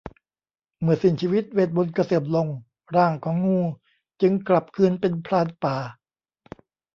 เมื่อสิ้นชีวิตเวทย์มนตร์ก็เสื่อมลงร่างของงูจึงกลับคืนเป็นพรานป่า